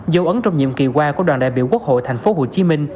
dấu ấn trong nhiệm kỳ qua của đoàn đại biểu quốc hội tp hcm